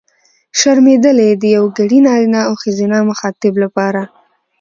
شرمېدلې! د یوګړي نرينه او ښځينه مخاطب لپاره.